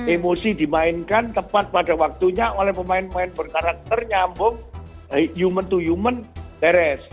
emosi dimainkan tepat pada waktunya oleh pemain pemain berkarakter nyambung human to human beres